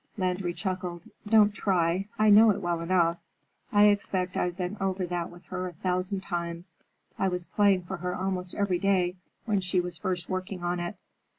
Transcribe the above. Landry chuckled. "Don't try. I know it well enough. I expect I've been over that with her a thousand times. I was playing for her almost every day when she was first working on it.